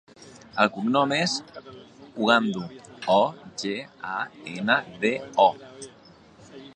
El cognom és Ogando: o, ge, a, ena, de, o.